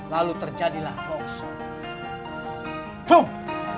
lalu terjadilah losong